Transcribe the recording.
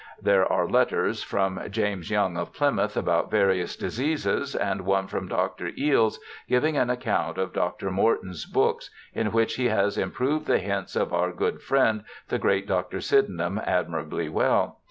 There are letters from James Young of Plymouth about various diseases, and one from Dr. Eales(?) giving an account of Dr. Morton's books, in which ' he has improved the hints of our good friend the great Dr. Sydenham admirably well'.